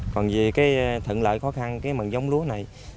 còn vì thận lợi khó khăn mặn dông lúa này